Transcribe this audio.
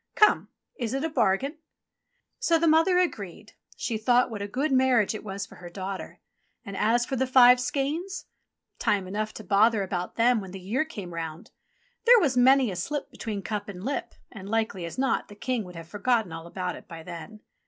Come ! is it a bargain ?'* So the mother agreed. She thought what a grand mar riage it was for her daughter. And as for the five skeins ? Time enough to bother about them when the year came round. There was many a slip between cup and lip, and, likely as not, the King would have forgotten all about it by then.